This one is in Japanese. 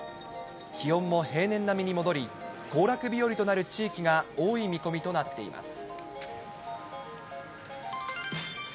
気温も平年並みに戻り、行楽日和となる地域が多い見込みとなっています。